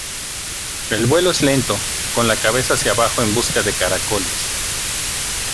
El vuelo es lento, con la cabeza hacia abajo en busca de caracoles.